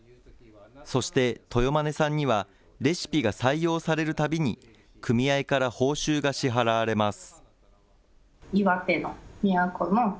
そして、豊間根さんには、レシピが採用されるたびに、組合から報酬が支払われます。